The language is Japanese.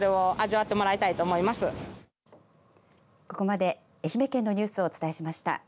ここまで、愛媛県のニュースをお伝えしました。